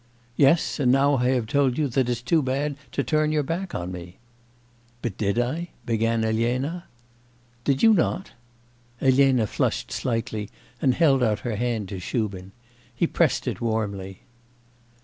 'Yes, and now I have told you that it's too bad to turn your back on me.' 'But did I?' began Elena. 'Did you not?' Elena flushed slightly and held out her hand to Shubin. He pressed it warmly.